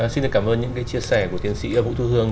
xin được cảm ơn những chia sẻ của tiến sĩ vũ thu hương